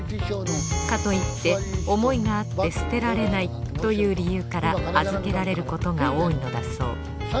かといって想いがあって捨てられないという理由から預けられることが多いのだそう。